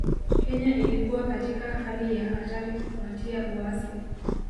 Kenya ilikuwa katika hali ya hatari kufuatia uasi